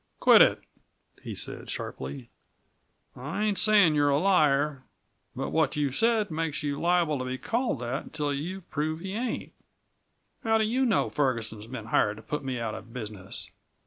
"Quit it!" he said sharply. "I ain't sayin' you're a liar, but what you've said makes you liable to be called that until you've proved you ain't. How do you know Ferguson's been hired to put me out of business?"